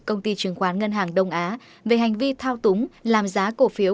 công ty chứng khoán ngân hàng đông á về hành vi thao túng làm giá cổ phiếu